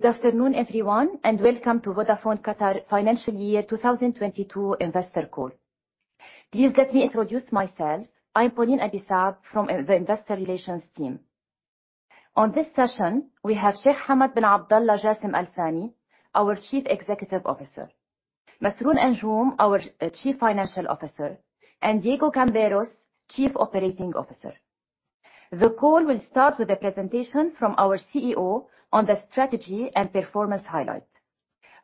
Good afternoon, everyone, and welcome to Vodafone Qatar financial year 2022 investor call. Please let me introduce myself. I'm Pauline Abi Saab from the investor relations team. On this session, we have Sheikh Hamad bin Abdullah Jassim Al-Thani, our Chief Executive Officer, Masroor Anjum, our Chief Financial Officer, and Diego Camberos, Chief Operating Officer. The call will start with a presentation from our CEO on the strategy and performance highlight.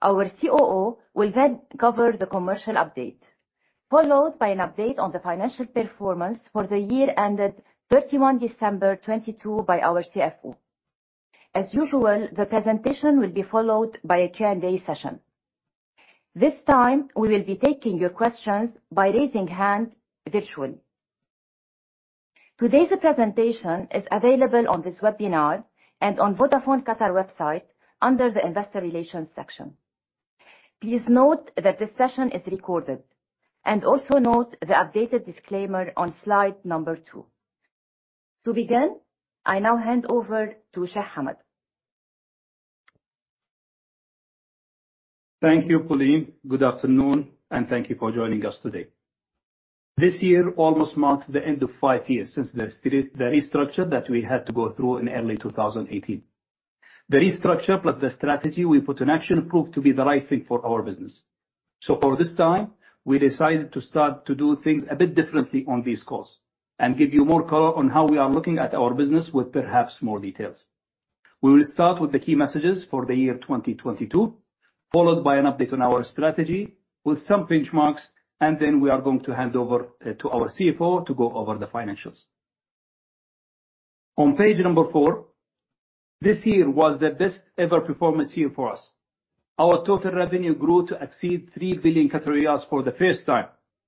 Our COO will then cover the commercial update, followed by an update on the financial performance for the year ended 31 December 2022 by our CFO. As usual, the presentation will be followed by a Q&A session. This time, we will be taking your questions by raising hand virtually. Today's presentation is available on this webinar and on Vodafone Qatar website under the investor relations section. Please note that this session is recorded and also note the updated disclaimer on slide number 2. To begin, I now hand over to Sheikh Hamad. Thank you, Pauline. Good afternoon, and thank you for joining us today. This year almost marks the end of five years since the restructure that we had to go through in early 2018. The restructure plus the strategy we put in action proved to be the right thing for our business. For this time, we decided to start to do things a bit differently on these calls and give you more color on how we are looking at our business with perhaps more details. We will start with the key messages for the year 2022, followed by an update on our strategy with some benchmarks, and then we are going to hand over to our CFO to go over the financials. On page number four, this year was the best ever performance year for us. Our total revenue grew to exceed 3 billion for the first time,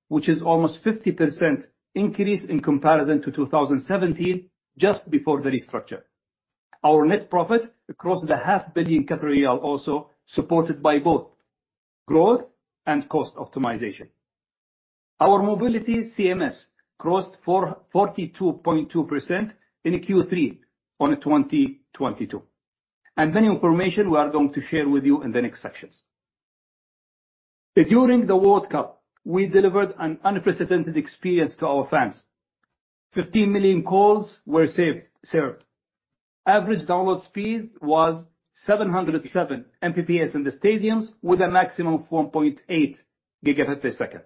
which is almost 50% increase in comparison to 2017, just before the restructure. Our net profit crossed the 500,000 riyal also, supported by both growth and cost optimization. Our mobility CMS crossed 42.2% in Q3 2022, many information we are going to share with you in the next sections. During the World Cup, we delivered an unprecedented experience to our fans. 15 million calls were served. Average download speed was 707 Mbps in the stadiums with a maximum of 1.8 Gb per second.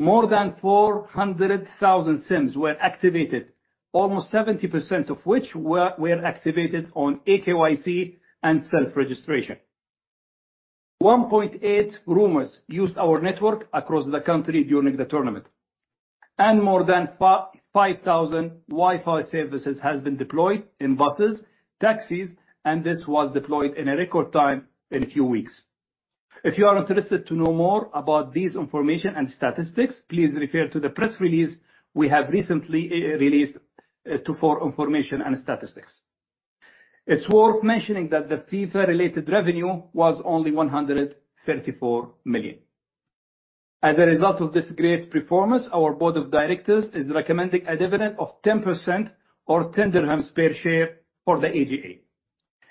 More than 400,000 SIMs were activated, almost 70% of which were activated on eKYC and self-registration. 1.8 roamers used our network across the country during the tournament, and more than 5,000 Wi-Fi services has been deployed in buses, taxis, and this was deployed in a record time in a few weeks. If you are interested to know more about this information and statistics, please refer to the press release we have recently released to for information and statistics. It's worth mentioning that the FIFA related revenue was only 134 million. As a result of this great performance, our board of directors is recommending a dividend of 10% or 10 dirhams per share for the AGA.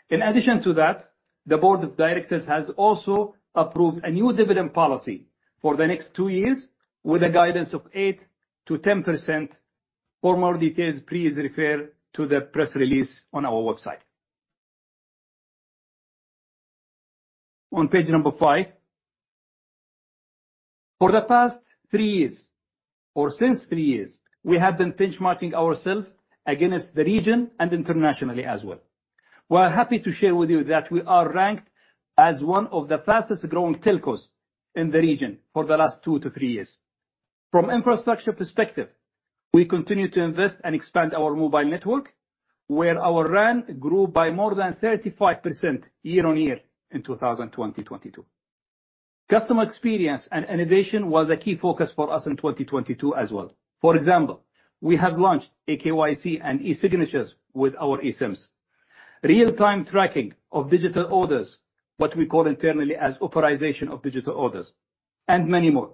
In addition to that, the board of directors has also approved a new dividend policy for the next two years with a guidance of 8%-10%. For more details, please refer to the press release on our website. On page number five. For the past three years or since three years, we have been benchmarking ourselves against the region and internationally as well. We are happy to share with you that we are ranked as one of the fastest-growing telcos in the region for the last two to three years. From infrastructure perspective, we continue to invest and expand our mobile network, where our RAN grew by more than 35% year on year in 2022. Customer experience and innovation was a key focus for us in 2022 as well. For example, we have launched eKYC and e-signatures with our eSIMs. Real-time tracking of digital orders, what we call internally as authorization of digital orders, many more.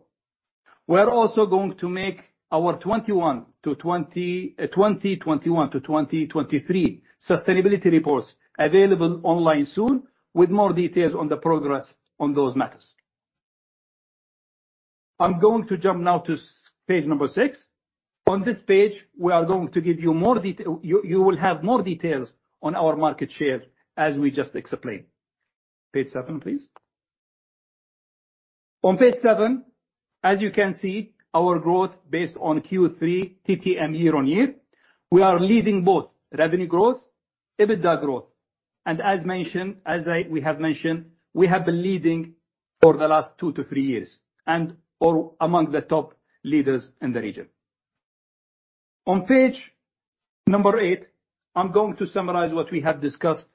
We are also going to make our 2021 to 2023 sustainability reports available online soon with more details on the progress on those matters. I'm going to jump now to page number six. On this page, we are going to give you more details on our market share as we just explained. Page seven, please. On page seven, as you can see, our growth based on Q3 TTM year-on-year, we are leading both revenue growth, EBITDA growth. As mentioned, we have mentioned, we have been leading for the last two to three years and are among the top leaders in the region. On page number eight, I'm going to summarize what we have discussed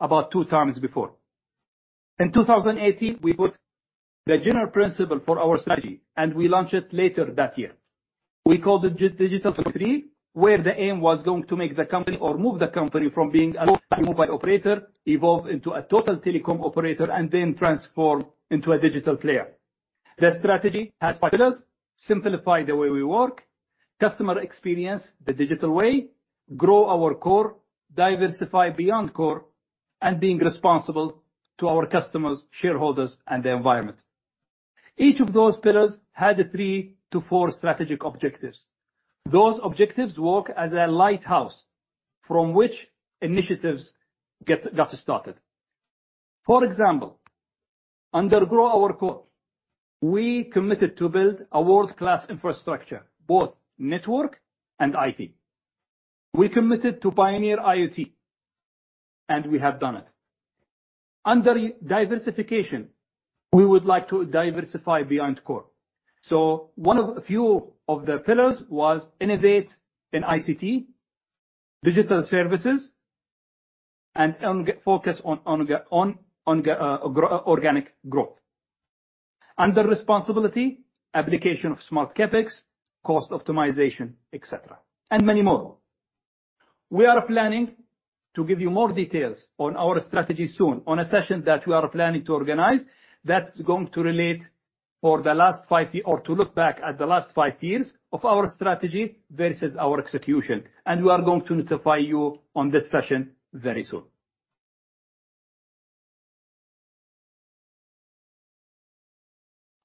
about two times before. In 2018, we put the general principle for our strategy, we launched it later that year. We call it digital for three, where the aim was going to make the company or move the company from being a mobile operator, evolve into a total telecom operator, then transform into a digital player. The strategy has five pillars: simplify the way we work, customer experience the digital way, grow our core, diversify beyond core, being responsible to our customers, shareholders, and the environment. Each of those pillars had three to four strategic objectives. Those objectives work as a lighthouse from which initiatives got us started. For example, under grow our core, we committed to build a world-class infrastructure, both network and IT. We committed to pioneer IoT, we have done it. Under diversification, we would like to diversify beyond core. One of the few of the pillars was innovate in ICT, digital services, and un-focus on the organic growth. Under responsibility, application of smart CapEx, cost optimization, et cetera, and many more. We are planning to give you more details on our strategy soon on a session that we are planning to organize that's going to relate or to look back at the last five years of our strategy versus our execution. We are going to notify you on this session very soon.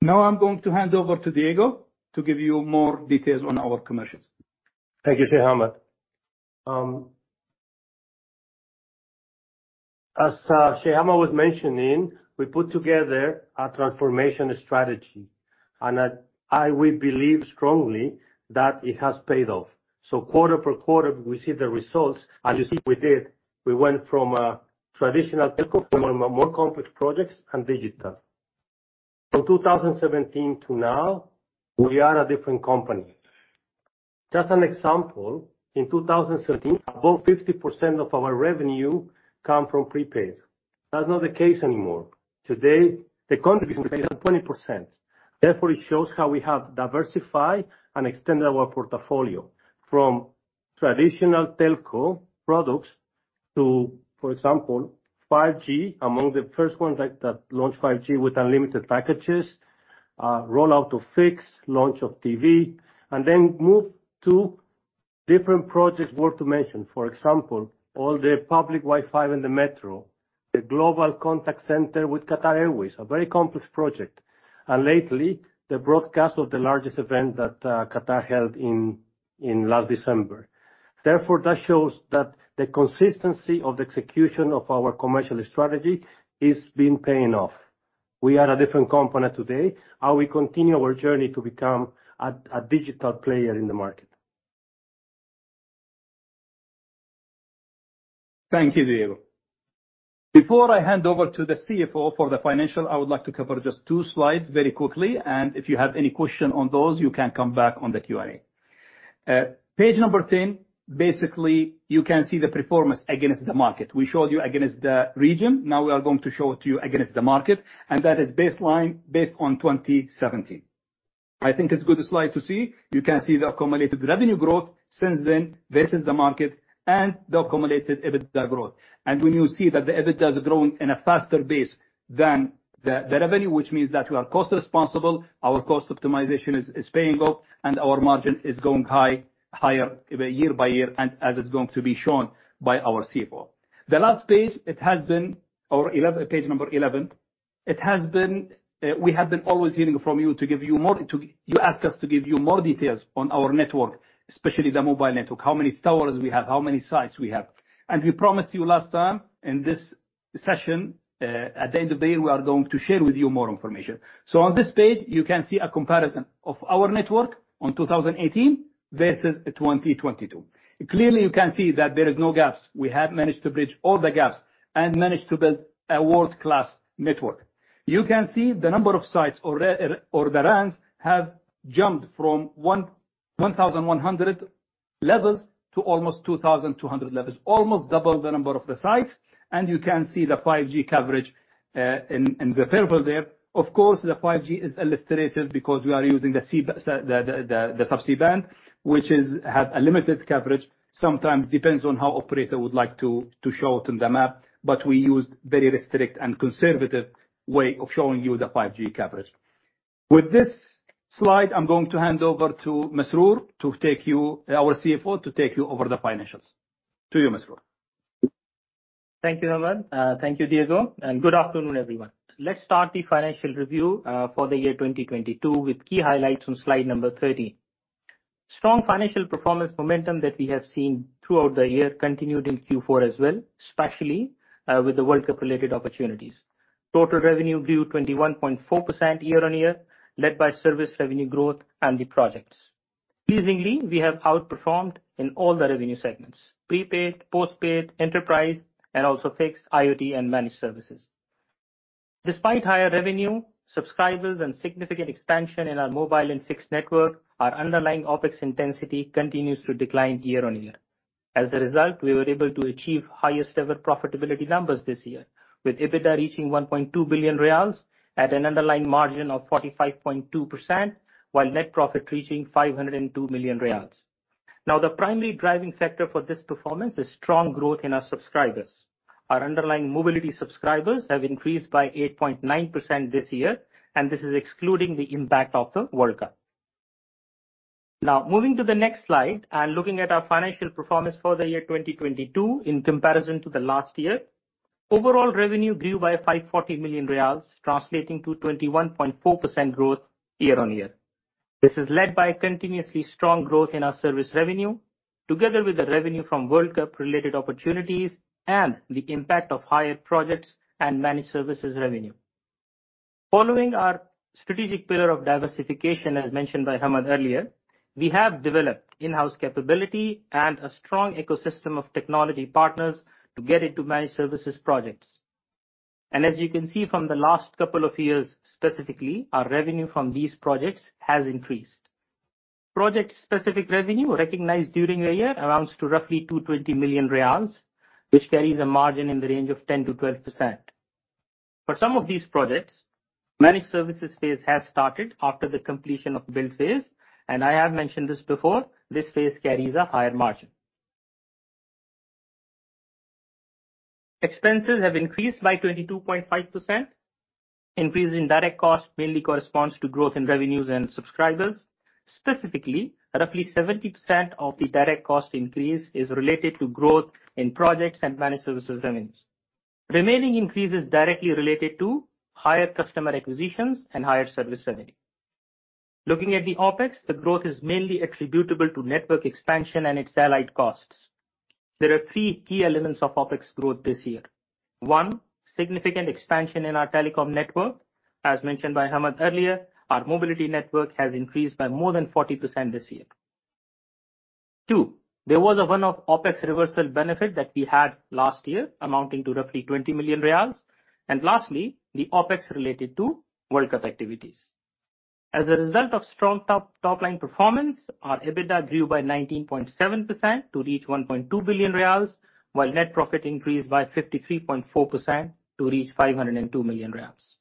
I'm going to hand over to Diego to give you more details on our commercials. Thank you, Sheikh Hamad. As Sheikh Hamad was mentioning, we put together a transformation strategy. We believe strongly that it has paid off. Quarter per quarter, we see the results. As you see, we did. We went from a traditional telco to more complex projects and digital. From 2017 to now, we are a different company. Just an example, in 2017, above 50% of our revenue come from prepaid. That's not the case anymore. Today, the contribution is less than 20%. It shows how we have diversify and extended our portfolio from traditional telco products to, for example, 5G, among the first ones that launched 5G with unlimited packages, rollout of Fix, launch of TV, move to different projects worth to mention. For example, all the public Wi-Fi in the Metro, the global contact center with Qatar Airways, a very complex project, and lately, the broadcast of the largest event that Qatar held in last December. That shows that the consistency of the execution of our commercial strategy is been paying off. We are a different company today, and we continue our journey to become a digital player in the market. Thank you, Diego. Before I hand over to the CFO for the financial, I would like to cover just two slides very quickly. If you have any question on those, you can come back on the Q&A. Page number 10, basically, you can see the performance against the market. We showed you against the region. We are going to show it to you against the market. That is baseline based on 2017. I think it's a good slide to see. You can see the accumulated revenue growth since then versus the market and the accumulated EBITDA growth. When you see that the EBITDA is growing in a faster base than the revenue, which means that we are cost responsible, our cost optimization is paying off, and our margin is going high, higher year by year and as it's going to be shown by our CFO. The last page, it has been. Or page number 11, it has been, we have been always hearing from you to give you more. You ask us to give you more details on our network, especially the mobile network, how many towers we have, how many sites we have. We promised you last time in this session, at the end of the day, we are going to share with you more information. On this page, you can see a comparison of our network on 2018 versus 2022. Clearly, you can see that there is no gaps. We have managed to bridge all the gaps and managed to build a world-class network. You can see the number of sites or the RANs have jumped from 1,100 levels to almost 2,200 levels. Almost double the number of the sites. You can see the 5G coverage in the table there. Of course, the 5G is illustrative because we are using the sub-C band, which is, have a limited coverage. Sometimes depends on how operator would like to show it in the map, but we used very strict and conservative way of showing you the 5G coverage. With this slide, I'm going to hand over to Masroor to take you, our CFO, to take you over the financials. To you, Masroor. Thank you, Hamad. Thank you, Diego, good afternoon, everyone. Let's start the financial review for the year 2022 with key highlights on slide number 13. Strong financial performance momentum that we have seen throughout the year continued in Q4 as well, especially with the World Cup related opportunities. Total revenue grew 21.4% year-on-year, led by service revenue growth and the projects. Pleasingly, we have outperformed in all the revenue segments: prepaid, postpaid, enterprise, and also fixed, IoT, and managed services. Despite higher revenue, subscribers, and significant expansion in our mobile and fixed network, our underlying OpEx intensity continues to decline year-on-year. As a result, we were able to achieve highest ever profitability numbers this year, with EBITDA reaching 1.2 billion riyals at an underlying margin of 45.2% while net profit reaching 502 million. The primary driving factor for this performance is strong growth in our subscribers. Our underlying mobility subscribers have increased by 8.9% this year, and this is excluding the impact of the World Cup. Moving to the next slide and looking at our financial performance for the year 2022 in comparison to the last year. Overall revenue grew by 540 million riyals, translating to 21.4% growth year-on-year. This is led by continuously strong growth in our service revenue, together with the revenue from World Cup related opportunities and the impact of higher projects and managed services revenue. Following our strategic pillar of diversification, as mentioned by Hamad earlier, we have developed in-house capability and a strong ecosystem of technology partners to get into managed services projects. As you can see from the last couple of years, specifically, our revenue from these projects has increased. Project specific revenue recognized during the year amounts to roughly 220 million riyals, which carries a margin in the range of 10%-12%. For some of these projects, managed services phase has started after the completion of build phase, and I have mentioned this before, this phase carries a higher margin. Expenses have increased by 22.5%. Increase in direct costs mainly corresponds to growth in revenues and subscribers. Specifically, roughly 70% of the direct cost increase is related to growth in projects and managed services revenues. Remaining increase is directly related to higher customer acquisitions and higher service revenue. Looking at the OpEx, the growth is mainly attributable to network expansion and its allied costs. There are three key elements of OpEx growth this year. One, significant expansion in our telecom network. As mentioned by Hamad earlier, our mobility network has increased by more than 40% this year. Two, there was a one-off OpEx reversal benefit that we had last year amounting to roughly QAR 20 million. Lastly, the OpEx related to World Cup activities. As a result of strong top line performance, our EBITDA grew by 19.7% to reach 1.2 billion riyals, while net profit increased by 53.4% to reach 502 million riyals.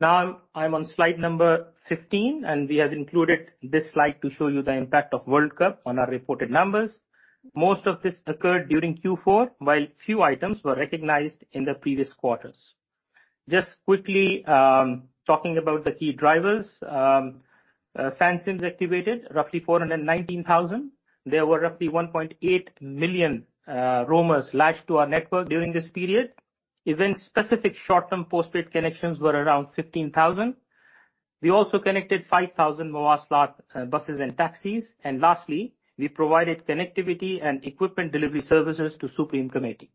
I'm on slide number 15, we have included this slide to show you the impact of World Cup on our reported numbers. Most of this occurred during Q4, while few items were recognized in the previous quarters. Just quickly, talking about the key drivers. Fan SIMs activated roughly 419,000. There were roughly 1.8 million roamers latched to our network during this period. Event specific short-term postpaid connections were around 15,000. We also connected 5,000 Mowasalat buses and taxis. Lastly, we provided connectivity and equipment delivery services to Supreme Committee.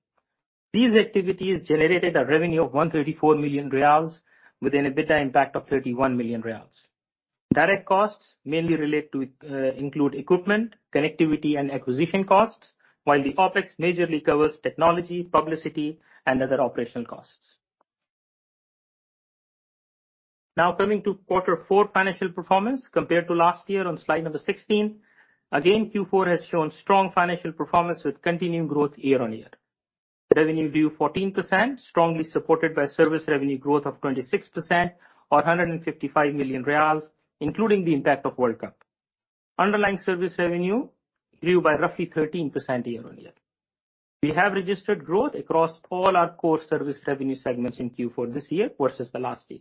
These activities generated a revenue of 134 million riyals with an EBITDA impact of 31 million riyals. Direct costs mainly relate to include equipment, connectivity and acquisition costs, while the OpEx majorly covers technology, publicity and other operational costs. Coming to Q4 financial performance compared to last year on slide 16. Q4 has shown strong financial performance with continuing growth year-on-year. Revenue grew 14%, strongly supported by service revenue growth of 26% or 155 million riyals, including the impact of World Cup. Underlying service revenue grew by roughly 13% year-on-year. We have registered growth across all our core service revenue segments in Q4 this year versus the last year.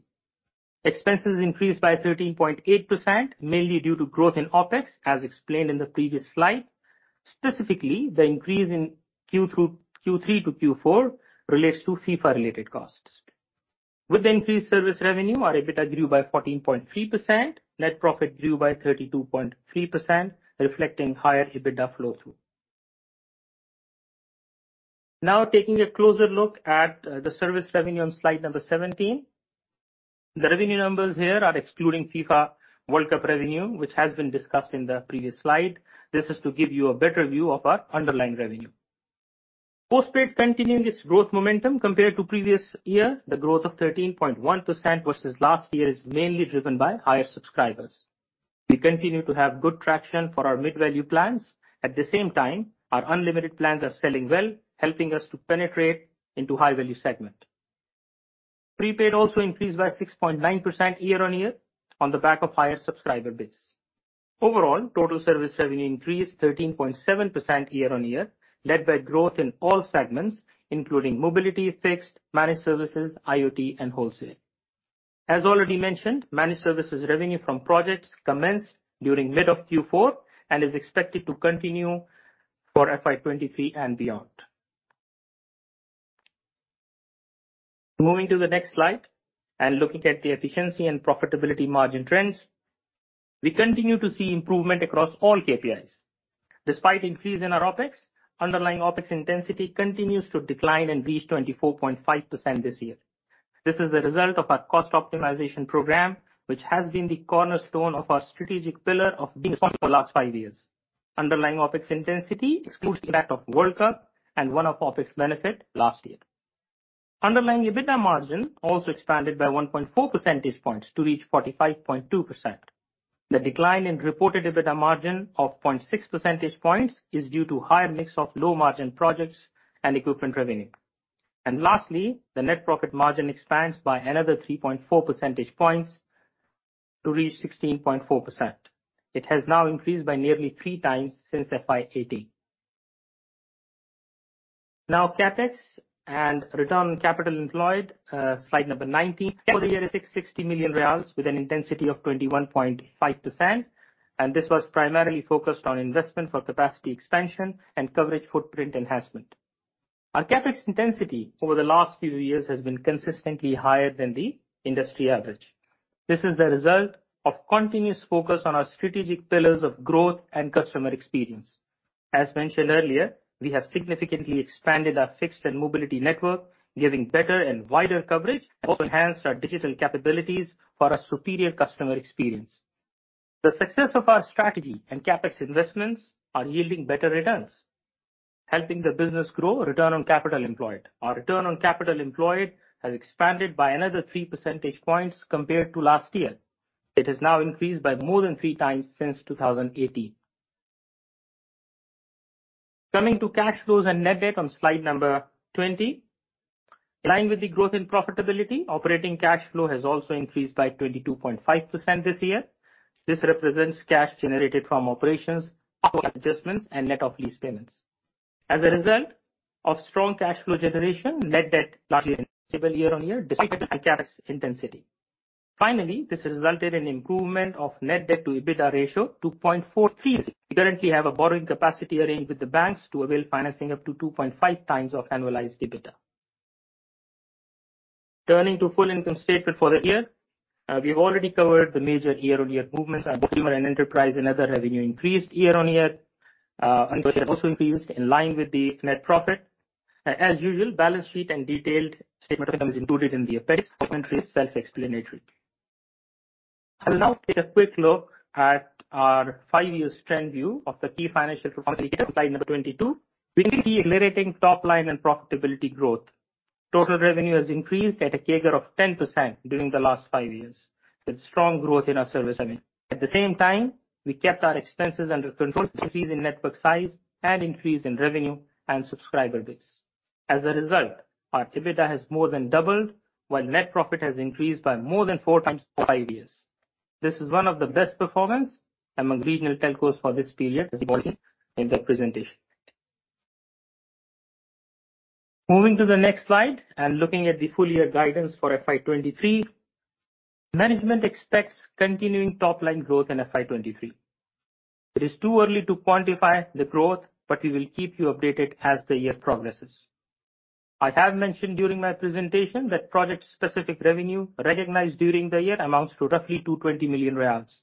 Expenses increased by 13.8%, mainly due to growth in OpEx, as explained in the previous slide. Specifically, the increase in Q3 to Q4 relates to FIFA related costs. With the increased service revenue, our EBITDA grew by 14.3%. Net profit grew by 32.3%, reflecting higher EBITDA flow through. Now taking a closer look at the service revenue on slide number 17. The revenue numbers here are excluding FIFA World Cup revenue, which has been discussed in the previous slide. This is to give you a better view of our underlying revenue. Postpaid continuing its growth momentum compared to previous year. The growth of 13.1% versus last year is mainly driven by higher subscribers. We continue to have good traction for our mid-value plans. At the same time, our unlimited plans are selling well, helping us to penetrate into high-value segment. Prepaid also increased by 6.9% year-over-year on the back of higher subscriber base. Overall, total service revenue increased 13.7% year-over-year, led by growth in all segments, including mobility, fixed, managed services, IoT and wholesale. As already mentioned, managed services revenue from projects commenced during mid of Q4 and is expected to continue for FY 2023 and beyond. Moving to the next slide and looking at the efficiency and profitability margin trends, we continue to see improvement across all KPIs. Despite increase in our OpEx, underlying OpEx intensity continues to decline and reach 24.5% this year. This is the result of our cost optimization program, which has been the cornerstone of our strategic pillar of being for the last five years. Underlying OpEx intensity excludes the impact of World Cup and one-off OpEx benefit last year. Underlying EBITDA margin also expanded by 1.4 percentage points to reach 45.2%. The decline in reported EBITDA margin of 0.6 percentage points is due to higher mix of low margin projects and equipment revenue. Lastly, the net profit margin expands by another 3.4 percentage points to reach 16.4%. It has now increased by nearly 3x since FY 2018. Now CapEx and Return on Capital Employed. Slide number 19. For the year is QAR 660 million with an intensity of 21.5%. This was primarily focused on investment for capacity expansion and coverage footprint enhancement. Our CapEx intensity over the last few years has been consistently higher than the industry average. This is the result of continuous focus on our strategic pillars of growth and customer experience. As mentioned earlier, we have significantly expanded our fixed and mobility network, giving better and wider coverage, enhanced our digital capabilities for a superior customer experience. The success of our strategy and CapEx investments are yielding better returns, helping the business grow return on capital employed. Our return on capital employed has expanded by another 3 percentage points compared to last year. It has now increased by more than 3x since 2018. Coming to cash flows and net debt on slide number 20. In line with the growth in profitability, operating cash flow has also increased by 22.5% this year. This represents cash generated from operations, adjustments and net of lease payments. As a result of strong cash flow generation, net debt largely stable year-on-year despite CapEx intensity. Finally, this resulted in improvement of Net Debt to EBITDA ratio to 0.436. We currently have a borrowing capacity arranged with the banks to avail financing up to 2.5x of annualized EBITDA. Turning to full income statement for the year. We've already covered the major year-on-year movements. Our consumer and enterprise and other revenue increased year-on-year. Also increased in line with the net profit. As usual, balance sheet and detailed statement is included in the appendix. Commentary is self-explanatory. I'll now take a quick look at our five-year trend view of the key financial performance on slide number 22. We see accelerating top-line and profitability growth. Total revenue has increased at a CAGR of 10% during the last five years, with strong growth in our service revenue. At the same time, we kept our expenses under control increase in network size and increase in revenue and subscriber base. As a result, our EBITDA has more than doubled, while net profit has increased by more than 4x five years. This is one of the best performance among regional telcos for this period, as you in the presentation. Moving to the next slide and looking at the full year guidance for FY 2023. Management expects continuing top-line growth in FY 2023. It is too early to quantify the growth, but we will keep you updated as the year progresses. I have mentioned during my presentation that project-specific revenue recognized during the year amounts to roughly 220 million riyals.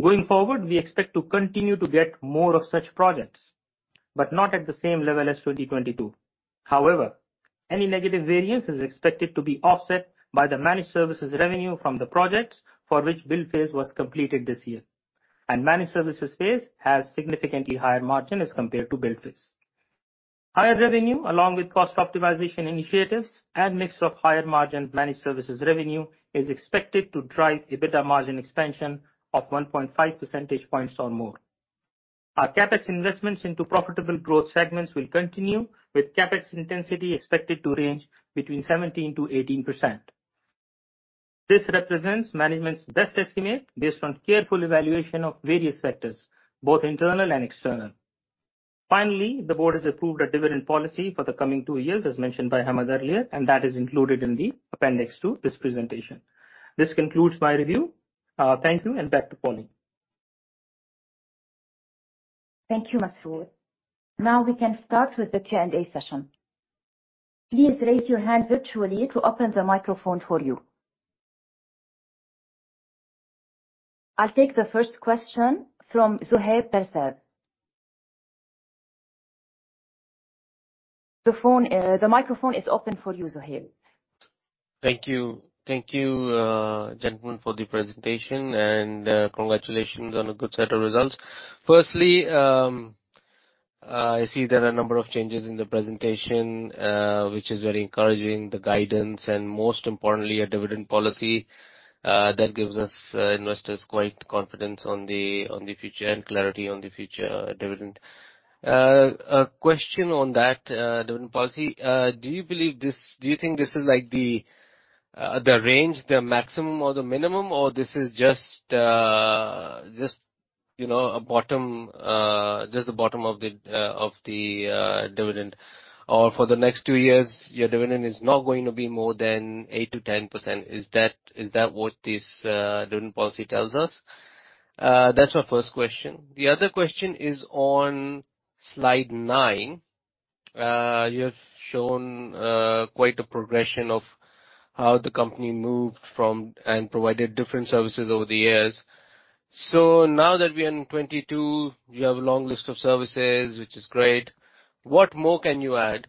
Going forward, we expect to continue to get more of such projects, but not at the same level as 2022. Any negative variance is expected to be offset by the managed services revenue from the projects for which build phase was completed this year. Managed services phase has significantly higher margin as compared to build phase. Higher revenue, along with cost optimization initiatives and mix of higher margin managed services revenue, is expected to drive EBITDA margin expansion of 1.5 percentage points or more. Our CapEx investments into profitable growth segments will continue, with CapEx intensity expected to range between 17%-18%. This represents management's best estimate based on careful evaluation of various factors, both internal and external. The board has approved a dividend policy for the coming two years, as mentioned by Hamad earlier, and that is included in the appendix to this presentation. This concludes my review. Thank you. Back to Pauline. Thank you, Masroor. Now we can start with the Q&A session. Please raise your hand virtually to open the microphone for you. I'll take the first question from Zohaib Pervez. The microphone is open for you, Zohaib. Thank you. Thank you, gentlemen, for the presentation, and congratulations on a good set of results. Firstly, I see there are a number of changes in the presentation, which is very encouraging, the guidance, and most importantly, a dividend policy that gives us investors quite confidence on the future and clarity on the future dividend. A question on that dividend policy. Do you think this is like the range, the maximum or the minimum, or this is just, you know, a bottom, just the bottom of the dividend. For the next two years, your dividend is not going to be more than 8%-10%. Is that what this dividend policy tells us? That's my first question. The other question is on slide 9. You have shown quite a progression of how the company moved from and provided different services over the years. Now that we are in 2022, you have a long list of services, which is great. What more can you add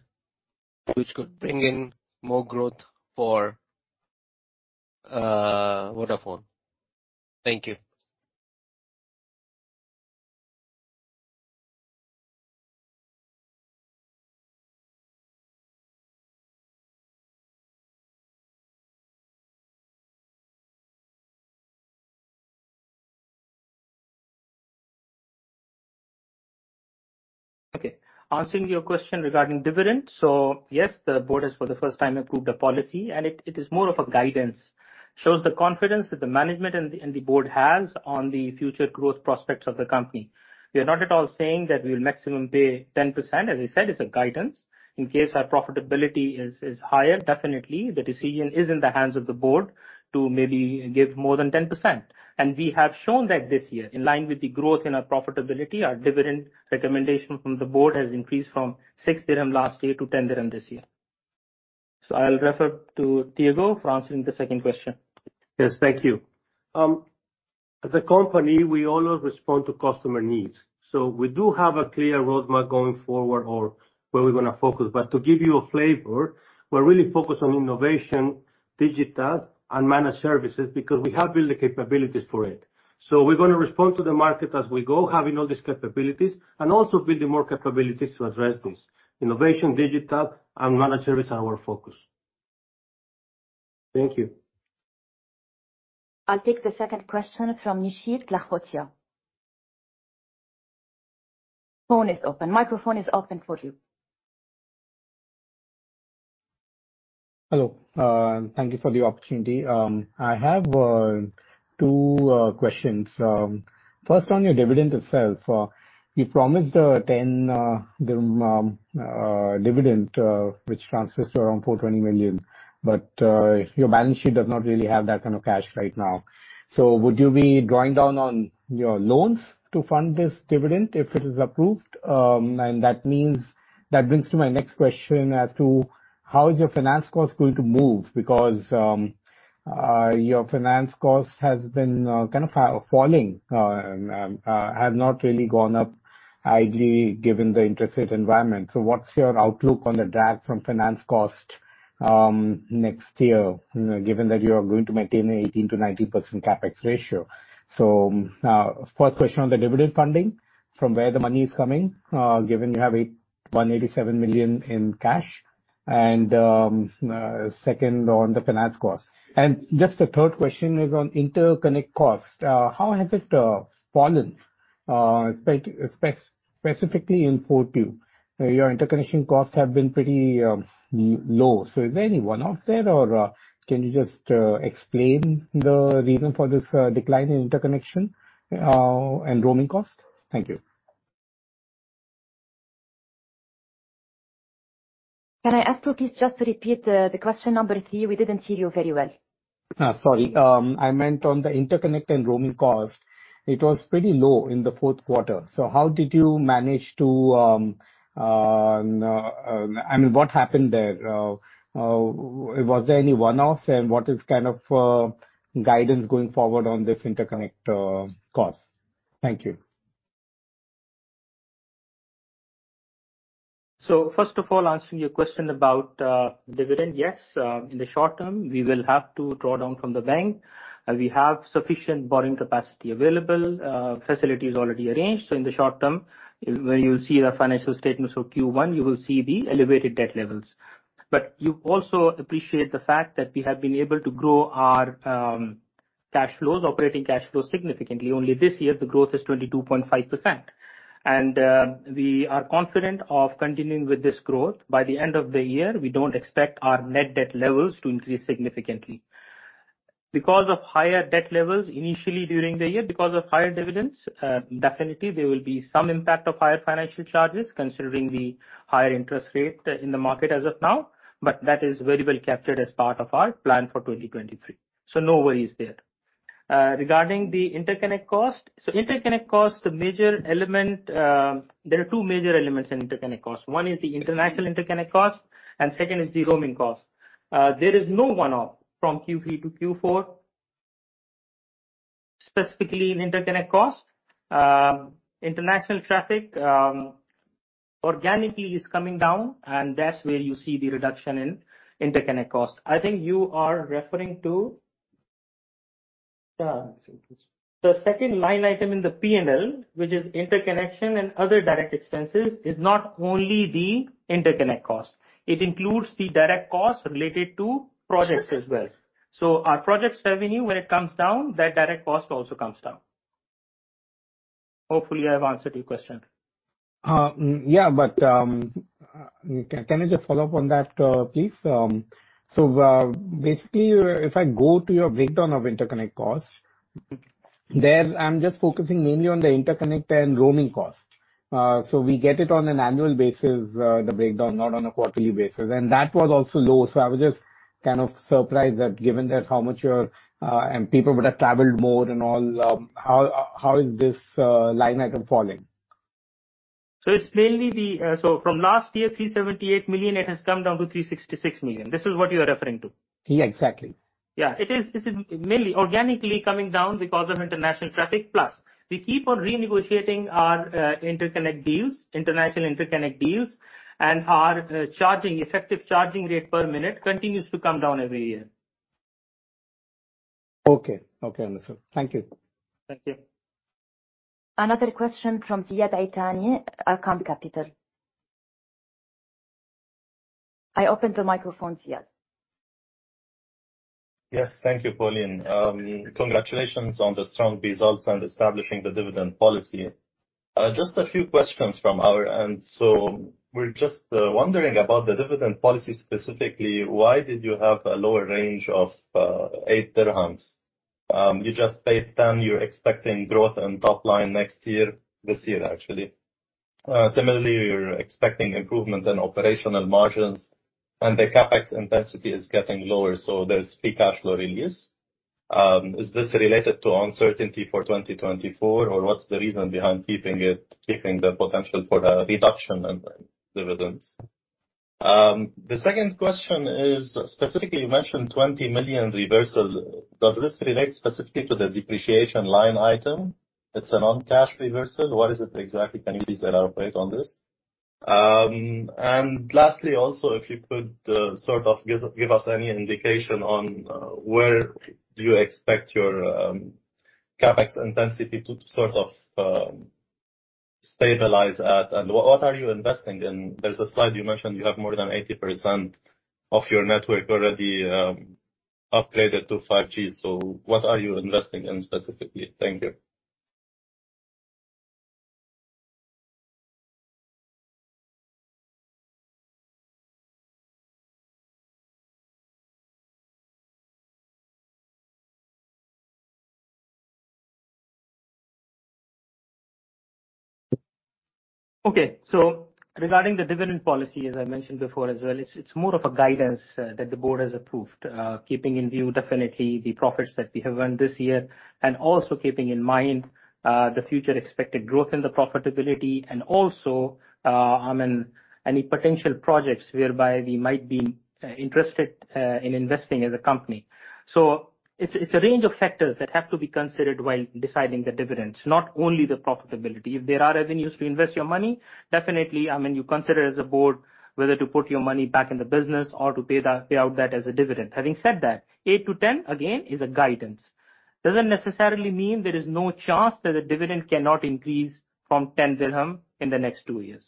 which could bring in more growth for Vodafone? Thank you. Okay. Answering your question regarding dividends. Yes, the board has for the first time approved a policy, and it is more of a guidance. Shows the confidence that the management and the board has on the future growth prospects of the company. We are not at all saying that we will maximum pay 10%. As I said, it's a guidance. In case our profitability is higher, definitely the decision is in the hands of the board to maybe give more than 10%. And we have shown that this year, in line with the growth in our profitability, our dividend recommendation from the board has increased from 6 dirham last year to 10 dirham this year. I'll refer to Diego for answering the second question. Yes. Thank you. As a company, we always respond to customer needs. We do have a clear roadmap going forward or where we're gonna focus. To give you a flavor, we're really focused on innovation, digital, and managed services because we have built the capabilities for it. We're gonna respond to the market as we go, having all these capabilities and also building more capabilities to address this. Innovation, digital, and managed service are our focus. Thank you. I'll take the second question from Nishit Lakhotia. Phone is open. Microphone is open for you. Hello, thank you for the opportunity. I have two questions. First on your dividend itself. You promised a 10 dirham dividend, which transfers to around 420 million, but your balance sheet does not really have that kind of cash right now. Would you be drawing down on your loans to fund this dividend if it is approved? That brings to my next question as to how is your finance cost going to move? Because your finance cost has been kind of falling, have not really gone up ideally, given the interest rate environment. What's your outlook on the drag from finance cost next year, given that you are going to maintain 18%-19% CapEx ratio? First question on the dividend funding, from where the money is coming, given you have 187 million in cash. Second on the finance cost. Just a third question is on interconnect cost. How has it fallen specifically in four two? Your interconnection costs have been pretty low. Is there any one-off there or can you just explain the reason for this decline in interconnection and roaming cost? Thank you. Can I ask you, please, just to repeat the question number three? We didn't hear you very well. Sorry. I meant on the interconnect and roaming cost, it was pretty low in the fourth quarter. How did you manage to, I mean, what happened there? Was there any one-off and what is kind of guidance going forward on this interconnect cost? Thank you. First of all, answering your question about dividend. Yes, in the short term, we will have to draw down from the bank. We have sufficient borrowing capacity available, facilities already arranged. In the short term, when you'll see the financial statements for Q1, you will see the elevated debt levels. You also appreciate the fact that we have been able to grow our cash flows, operating cash flows significantly. Only this year, the growth is 22.5%. We are confident of continuing with this growth. By the end of the year, we don't expect our net debt levels to increase significantly. Because of higher debt levels initially during the year, because of higher dividends, definitely there will be some impact of higher financial charges considering the higher interest rate in the market as of now, but that is very well captured as part of our plan for 2023. No worries there. Regarding the interconnect cost. Interconnect cost, the major element. There are two major elements in interconnect cost. One is the international interconnect cost and second is the roaming cost. There is no one-off from Q3 to Q4, specifically in interconnect cost. International traffic, organically is coming down, and that's where you see the reduction in interconnect cost. I think you are referring to the second line item in the P&L, which is interconnection and other direct expenses, is not only the interconnect cost. It includes the direct costs related to projects as well. Our projects revenue, when it comes down, that direct cost also comes down. Hopefully, I've answered your question. Yeah. Can I just follow up on that, please? Basically, if I go to your breakdown of interconnect costs, there I'm just focusing mainly on the interconnect and roaming costs. We get it on an annual basis, the breakdown, not on a quarterly basis. That was also low. I was just kind of surprised that given that how much your, and people would have traveled more and all, how is this line item falling? It's mainly the, so from last year, 378 million, it has come down to 366 million. This is what you are referring to. Yeah, exactly. Yeah, it is, this is mainly organically coming down because of international traffic. We keep on renegotiating our interconnect deals, international interconnect deals, and our charging, effective charging rate per minute continues to come down every year. Okay. Okay, understood. Thank you. Thank you. Another question from Ziad Itani, Arqaam Capital. I open the microphones, yes. Yes. Thank you, Pauline. Congratulations on the strong results and establishing the dividend policy. Just a few questions from our end. We're just wondering about the dividend policy. Specifically, why did you have a lower range of 8 dirhams? You just paid 10 dirhams, you're expecting growth and top line next year, this year actually. Similarly, you're expecting improvement in operational margins and the CapEx intensity is getting lower, so there's free cash flow release. Is this related to uncertainty for 2024? What's the reason behind keeping it, keeping the potential for a reduction in dividends? The second question is specifically you mentioned 20 million reversal. Does this relate specifically to the depreciation line item? It's a non-cash reversal. What is it exactly? Can you please elaborate on this? Lastly, also, if you could sort of give us any indication on where do you expect your CapEx intensity to sort of stabilize at, and what are you investing in? There's a slide you mentioned you have more than 80% of your network already upgraded to 5G. What are you investing in specifically? Thank you. Okay. Regarding the dividend policy, as I mentioned before as well, it's more of a guidance that the board has approved, keeping in view definitely the profits that we have earned this year and also keeping in mind the future expected growth in the profitability and also any potential projects whereby we might be interested in investing as a company. It's a range of factors that have to be considered while deciding the dividends, not only the profitability. If there are revenues to invest your money, definitely, I mean, you consider as a board whether to put your money back in the business or to pay out that as a dividend. Having said that, eight to ten, again, is a guidance. Doesn't necessarily mean there is no chance that the dividend cannot increase from 10 dirham in the next two years.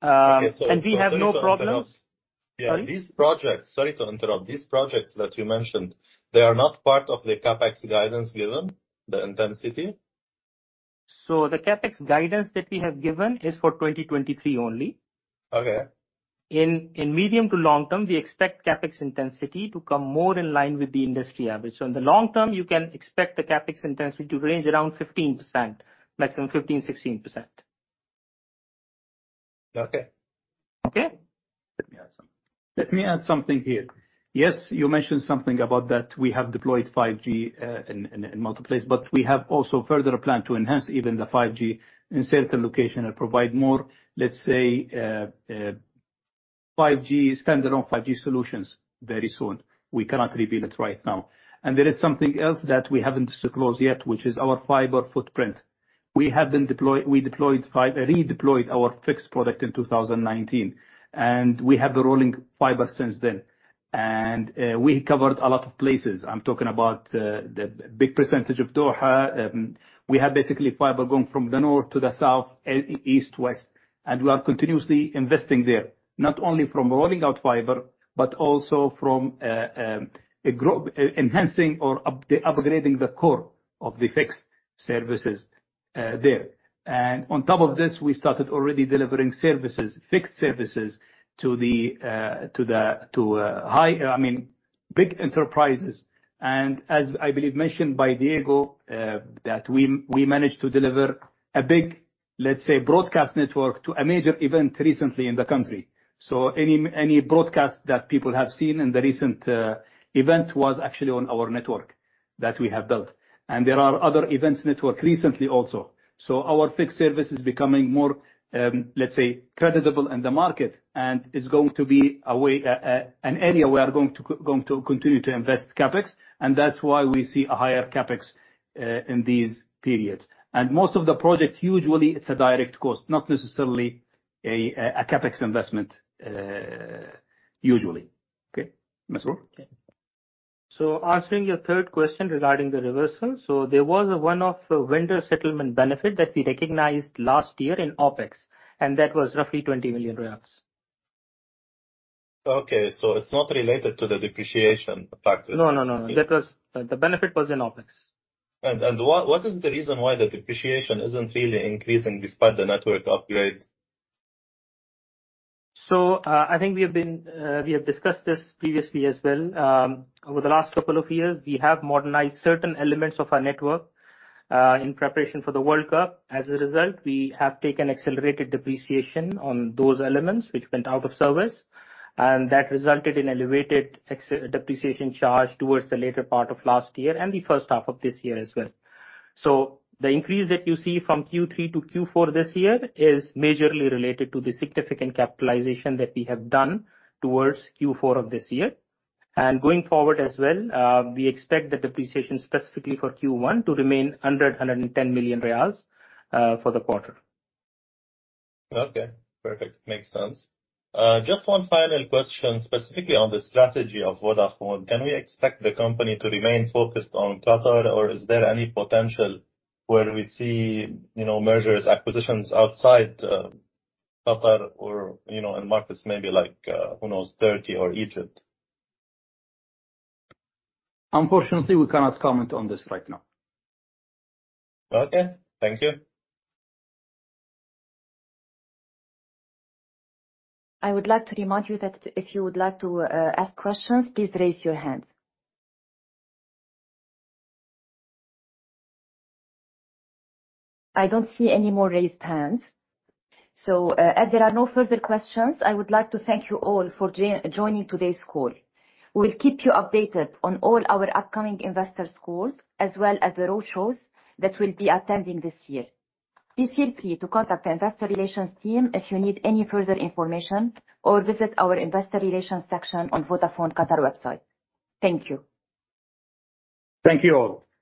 Sorry to interrupt. Pardon? Sorry to interrupt. These projects that you mentioned, they are not part of the CapEx guidance given, the intensity? The CapEx guidance that we have given is for 2023 only. Okay. In medium to long term, we expect CapEx intensity to come more in line with the industry average. In the long term, you can expect the CapEx intensity to range around 15%, maximum 15%-16%. Okay. Okay? Let me add something here. Yes, you mentioned something about that we have deployed 5G in multiple places, we have also further plan to enhance even the 5G in certain location and provide more, let's say, 5G, standard on 5G solutions very soon. We cannot reveal it right now. There is something else that we haven't disclosed yet, which is our fiber footprint. We redeployed our fixed product in 2019, we have been rolling fiber since then. We covered a lot of places. I'm talking about the big percentage of Doha. We have basically fiber going from the north to the south, east to west, we are continuously investing there. Not only from rolling out fiber, but also from enhancing or upgrading the core of the fixed services there. On top of this, we started already delivering services, fixed services to the high, I mean, big enterprises. As I believe mentioned by Diego, that we managed to deliver a big, let's say, broadcast network to a major event recently in the country. Any broadcast that people have seen in the recent event was actually on our network that we have built. There are other events network recently also. Our fixed service is becoming more, let's say, creditable in the market and is going to be a way, an area we are going to continue to invest CapEx, and that's why we see a higher CapEx in these periods. Most of the projects, usually it's a direct cost, not necessarily a CapEx investment, usually. Okay. Masroor? Answering your third question regarding the reversal. There was one of vendor settlement benefit that we recognized last year in OpEx, and that was roughly QAR 20 million. Okay. It's not related to the depreciation practice? No, no. That was... The benefit was in OpEx. What is the reason why the depreciation isn't really increasing despite the network upgrade? I think we have discussed this previously as well. Over the last couple of years, we have modernized certain elements of our network in preparation for the World Cup. As a result, we have taken accelerated depreciation on those elements which went out of service, and that resulted in elevated depreciation charge towards the later part of last year and the first half of this year as well. The increase that you see from Q3 to Q4 this year is majorly related to the significant capitalization that we have done towards Q4 of this year. Going forward as well, we expect the depreciation specifically for Q1 to remain QAR 100 million-QAR 110 million for the quarter. Okay. Perfect. Makes sense. Just one final question, specifically on the strategy of Vodafone. Can we expect the company to remain focused on Qatar? Is there any potential where we see, you know, mergers, acquisitions outside Qatar or, you know, in markets maybe like, who knows, Turkey or Egypt? Unfortunately, we cannot comment on this right now. Okay. Thank you. I would like to remind you that if you would like to ask questions, please raise your hands. I don't see any more raised hands. As there are no further questions, I would like to thank you all for joining today's call. We will keep you updated on all our upcoming investor calls, as well as the roadshows that we'll be attending this year. Please feel free to contact the investor relations team if you need any further information or visit our investor relations section on Vodafone Qatar website. Thank you. Thank you all.